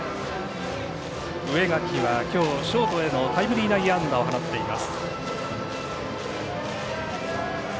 植垣はきょうショートへのタイムリー内野安打を打っています。